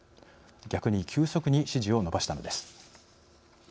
逆に急速に支持を伸ばしたのです。